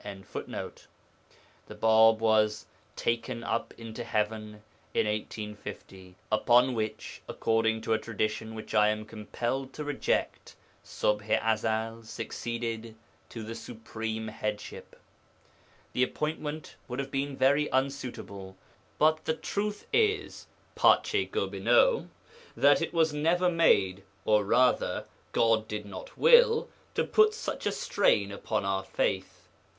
1.] The Bāb was 'taken up into heaven' in 1850 upon which (according to a Tradition which I am compelled to reject) Ṣubḥ i Ezel succeeded to the Supreme Headship. The appointment would have been very unsuitable, but the truth is (pace Gobineau) that it was never made, or rather, God did not will to put such a strain upon our faith.